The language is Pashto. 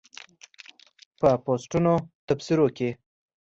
په پوسټونو تبصرو کې